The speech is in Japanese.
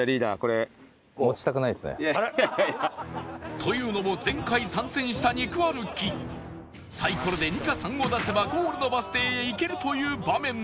というのも前回参戦した肉歩きサイコロで「２」か「３」を出せばゴールのバス停へ行けるという場面で